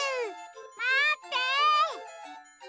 まって！